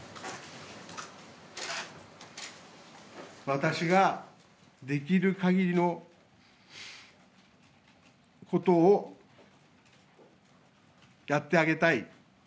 私ができるかぎりのことをやってあげたい。